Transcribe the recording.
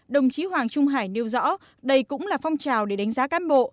đồng chí hoàng trung hải nêu rõ đây cũng là phong trào để đánh giá cán bộ